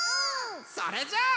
それじゃあ。